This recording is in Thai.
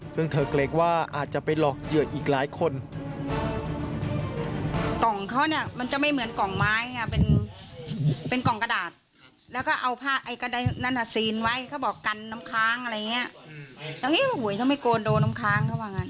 ซึ่งเธอเกรงว่าอาจจะไปหลอกเหยื่ออีกหลายคน